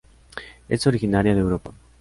Es originaria de Europa.